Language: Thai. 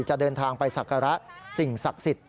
จะเดินทางไปศักระสิ่งศักดิ์สิทธิ์